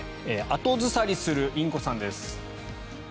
後ずさりするインコさんです。